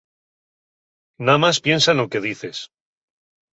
Namás piensa no que dices.